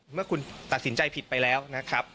เมื่อคุณตัดสินใจผิดไปแล้วนะครับ